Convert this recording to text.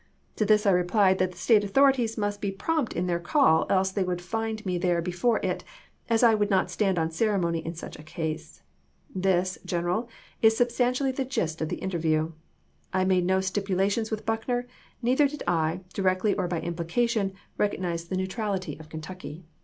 To this I replied that the State authorities must .McClellan be prompt in their call else they would find me there be Scottf June ^^^^ it, as I would not stand on ceremony in such a case. ^w.^R^' This, General, is substantially the gist of the interview. I Series III., made no stipulations with Buckner, neither did I, directly 332!' ' nor by implication, recognize the neutrality of Kentucky.